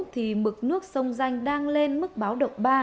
thì mực nước sông danh đang lên mức báo động ba